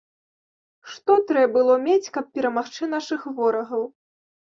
Што трэ было мець, каб перамагчы нашых ворагаў?